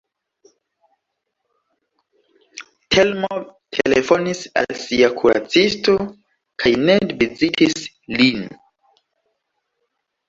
Telmo telefonis al sia kuracisto kaj Ned vizitis lin.